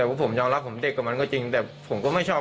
อะไรของเขาเพื่อให้เขาได้น้ำปางเก็บขนาดนั้น